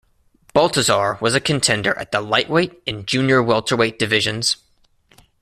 Baltazar was a contender at the Lightweight and Junior Welterweight divisions.